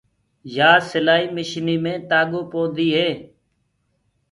يآ سِلآئي مشني مي تآگو پوندي هي۔